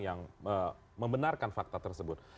yang membenarkan fakta tersebut